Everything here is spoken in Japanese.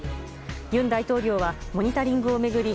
尹大統領はモニタリングを巡り